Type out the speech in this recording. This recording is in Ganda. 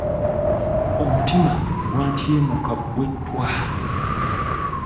Omutima gwantyemuka bwe ttwa.